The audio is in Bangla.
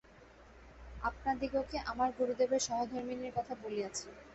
আপনাদিগকে আমার গুরুদেবের সহধর্মিণীর কথা বলিয়াছি।